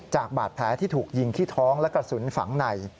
จากบาดแผลที่ถูกยิงที่ท้องและกระสุนฝังใน